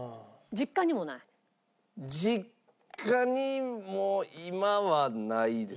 実家にも今はないです。